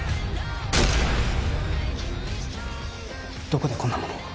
どこでこんなものを？